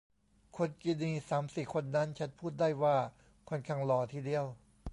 คนกินีสามสี่คนนั้น ฉันพูดได้ว่าค่อนข้างหล่อทีเดียว